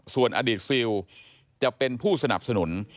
ส่วนอดีตซิลจะเป็นผู้สนับสนุน